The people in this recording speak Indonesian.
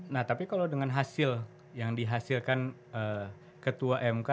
nah tapi kalau dengan hasil yang dihasilkan ketua mk